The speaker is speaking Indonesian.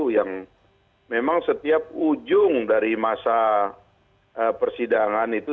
yang memang setiap ujung dari masa persidangan itu